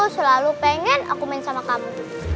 selalu pengen aku main sama kamu